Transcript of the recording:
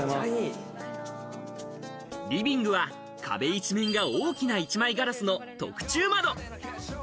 リビングは壁一面が大きな一枚ガラスの特注窓。